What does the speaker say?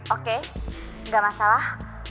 oke enggak masalah